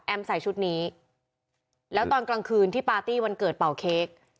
ใส่ชุดนี้แล้วตอนกลางคืนที่ปาร์ตี้วันเกิดเป่าเค้ก